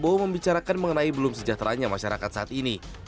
prabowo membicarakan mengenai belum sejahteranya masyarakat saat ini